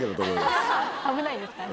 危ないですかね？